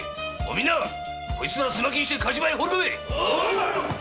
みんなこいつら簀巻きにして火事場へ放り込め！